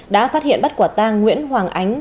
đã phát hiện bắt quả tang nguyễn hoàng ánh